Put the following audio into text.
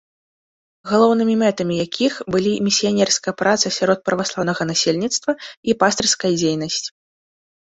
Галоўнымі мэтамі якіх былі місіянерская праца сярод праваслаўнага насельніцтва і пастырская дзейнасць.